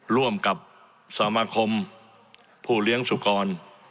ร่วมกับสมาคมผู้เลี้ยงสุกร